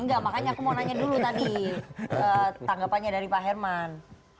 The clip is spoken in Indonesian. enggak makanya aku mau nanya dulu tadi tanggapannya dari pak herman